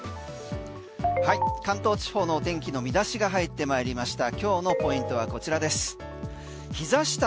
関東地方の天気の見出しが入ってまいりました。